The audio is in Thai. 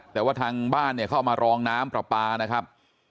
แต่ว่าทางบ้านเนี่ยเขาเอามารองน้ำปลาปลานะครับ